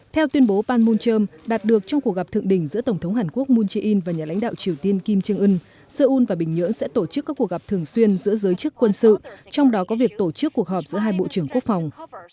theo tuyên bố panmunjom đạt được trong cuộc gặp thượng đỉnh giữa tổng thống hàn quốc moon jae in và nhà lãnh đạo triều tiên kim trương ưn seoul và bình nhưỡng sẽ tổ chức các cuộc gặp thường xuyên giữa giới chức quân sự trong đó có việc tổ chức cuộc họp giữa hai bộ trưởng quốc phòng